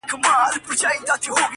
د انسانانو جهالت له موجه! اوج ته تللی!